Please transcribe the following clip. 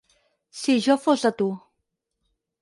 Si jo fos de tu.